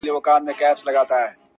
o نور مي له سترگو څه خوبونه مړه سول.